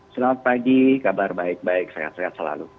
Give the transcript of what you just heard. selamat pagi kabar baik baik sehat sehat selalu